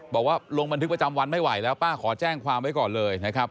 บอกว่าลงบันทึกประจำวันไม่ไหวแล้วป้าขอแจ้งความไว้ก่อนเลยนะครับ